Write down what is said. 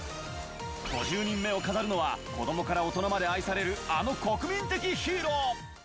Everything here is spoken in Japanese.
５０人目を飾るのは子どもから大人まで愛されるあの国民的ヒーロー。